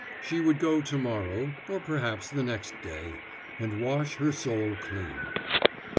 She would go to morrow, or perhaps the next day, and wash her soul clean.